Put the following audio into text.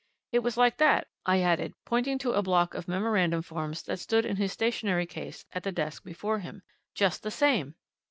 It was like that," I added, pointing to a block of memorandum forms that stood in his stationery case at the desk before him. "Just the same!"